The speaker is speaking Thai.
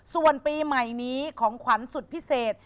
ส่วนปีใหม่นี้ของขวัญสุดพิเศษ